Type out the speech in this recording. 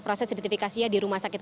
proses identifikasinya di rumah sakit